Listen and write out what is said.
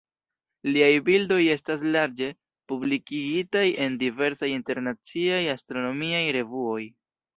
Liaj bildoj estis larĝe publikigitaj en diversaj internaciaj astronomiaj revuoj.